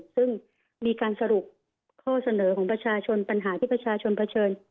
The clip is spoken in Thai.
ซึ่งมีการสรุปข้อเสนอของประชาชนปัญหาที่ประชาชนเผชิญ